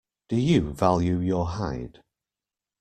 Do you value your hide.